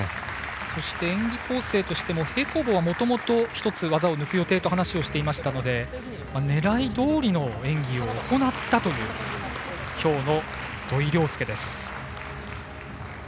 そして演技構成としても平行棒はもともと１つ技を抜く予定と話をしていましたので狙いどおりの演技を行ったという今日の土井陵輔。